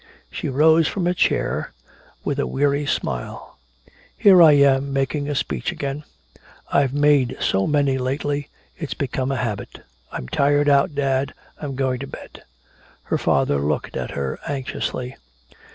She rose from her chair, with a weary smile: "Here I am making a speech again. I've made so many lately it's become a habit. I'm tired out, dad, I'm going to bed." Her father looked at her anxiously.